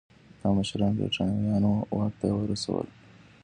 دا مشران برېټانویانو واک ته ورسول وو.